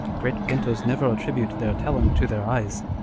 Great painters never attribute their talent to their eyes.